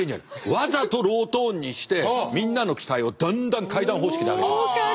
わざとロートーンにしてみんなの期待をだんだん階段方式で上げる。